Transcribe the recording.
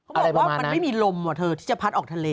บอกว่ามันไม่มีลมเหรอเธอที่จะพัดออกทะเล